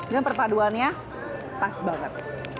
dan perpaduannya pas banget